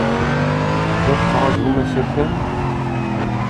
La tettṛajum asakal?